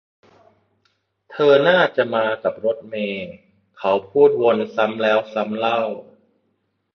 เธอน่าจะมากับรถเมย์ เขาพูดวนซ้ำแล้วซ้ำเล่า